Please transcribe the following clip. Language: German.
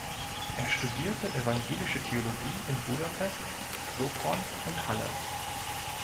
Er studierte Evangelische Theologie in Budapest, Sopron und Halle.